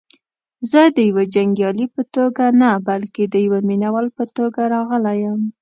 زه دیوه جنګیالي په توګه نه بلکې دیوه مینه وال په توګه راغلی یم.